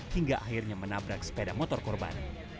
hingga akhirnya menabrak sepeda motor korban